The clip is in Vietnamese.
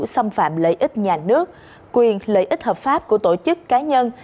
xâm phạm lợi ích nhà nước quyền lợi ích hợp pháp của tổ chức cá nhân